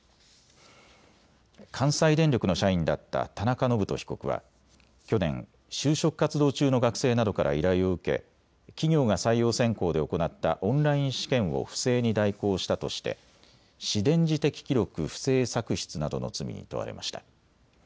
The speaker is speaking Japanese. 関西電力の社員だった田中信人被告は去年、就職活動中の学生などから依頼を受け企業が採用選考で行ったオンライン試験を不正に代行したとして私電磁的記録不正作出などの罪に問われました。